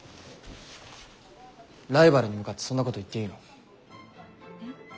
ライバルに向かってそんなこと言っていいの？えっ？